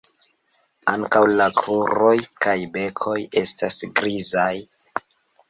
Ankaŭ la kruroj kaj beko estas grizaj.